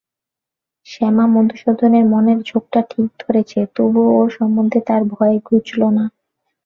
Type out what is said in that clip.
শ্যামা মধুসূদনের মনের ঝোঁকটা ঠিক ধরেছে, তবুও ওর সম্বন্ধে তার ভয় ঘুচল না।